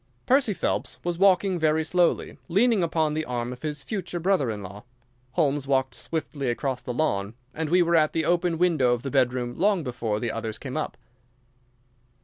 Percy Phelps was walking very slowly, leaning upon the arm of his future brother in law. Holmes walked swiftly across the lawn, and we were at the open window of the bedroom long before the others came up.